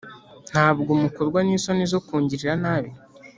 ntabwo mukorwa n’isoni zo kungirira nabi